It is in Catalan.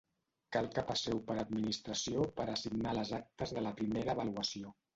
Cal que passeu per administració per a signar les actes de la primera avaluació.